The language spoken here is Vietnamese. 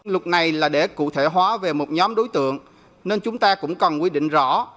luật này là để cụ thể hóa về một nhóm đối tượng nên chúng ta cũng cần quy định rõ